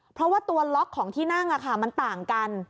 เพราะว่าตัวล็อกของที่นั่งมันต่างกัน